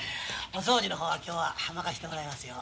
お掃除の方は今日は任してもらいますよ。